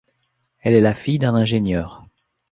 Elle est la fille d'un ingénieur.